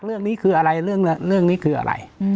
เรื่องนี้คืออะไร